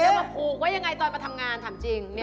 แล้วมาผูกไว้ยังไงตอนมาทำงานถามจริง